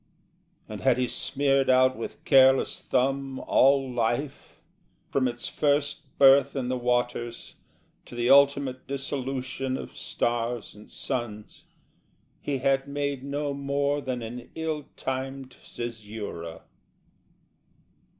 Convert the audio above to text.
And had he smeared out with careless thumb All life, from its first birth in the waters To the ultimate dissolution of stars and suns, He had made no more than an ill timed caesura.